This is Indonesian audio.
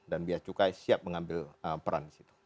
dan bea cukai siap mengambil peran disitu